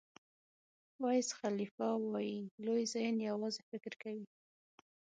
ویز خالیفه وایي لوی ذهن یوازې فکر کوي.